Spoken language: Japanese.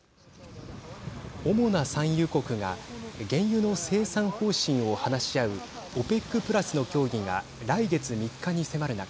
主な産油国が原油の生産方針を話し合うＯＰＥＣプラスの協議が来月３日に迫る中